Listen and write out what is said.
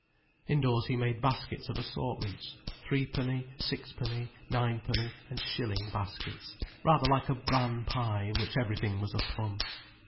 Indoors he made baskets of assortments: threepenny, sixpenny, ninepenny and shilling baskets, rather like a bran pie in which everything was a plum.